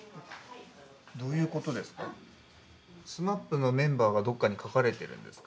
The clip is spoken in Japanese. どういうことですか？